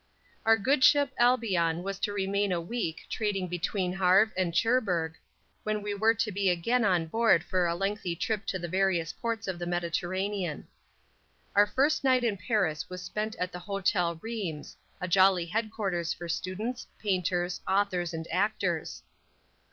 Our good ship Albion was to remain a week trading between Havre and Cherbourg, when we were to be again on board for a lengthy trip to the various ports of the Mediterranean. Our first night in Paris was spent at the Hotel Reims, a jolly headquarters for students, painters, authors and actors.